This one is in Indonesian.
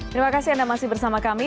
terima kasih anda masih bersama kami